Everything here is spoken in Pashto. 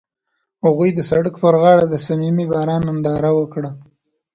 هغوی د سړک پر غاړه د صمیمي باران ننداره وکړه.